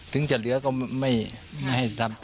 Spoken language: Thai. ถึงจะเหลือก็ไม่ให้ทำ